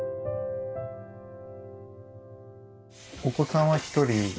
お子さんは１人？